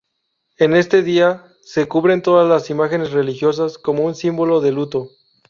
En este día se cubren todas las imágenes religiosas como un símbolo de luto.